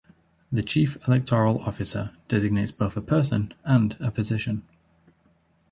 The Chief Electoral Officer designates both a person and a position.